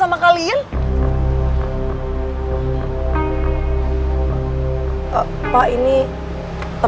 maaf ya pak saya janji mereka gak bakal diinteributan kok